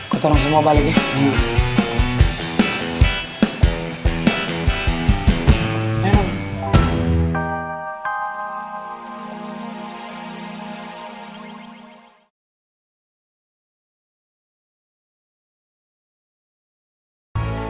kutolong semua balik ya